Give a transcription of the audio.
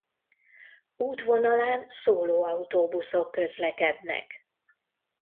Útvonalán szóló autóbuszok közlekednek.